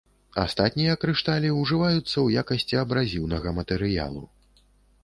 Астатнія крышталі ўжываюцца ў якасці абразіўнага матэрыялу.